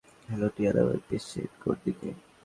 Hello, টিয়া নামের patient কোনদিকে?